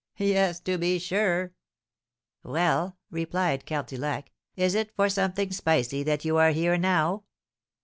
"Yes, to be sure." "Well," replied Cardillac, "is it for something spicy that you are here now?"